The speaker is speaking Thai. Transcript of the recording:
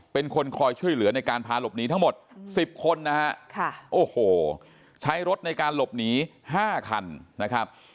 เป็นคนคอยช่วยเหลือในการพาหลบหนีทั้งหมด๑๐คนนะฮะโอ้โหใช้รถในการหลบหนี๕คันนะครับ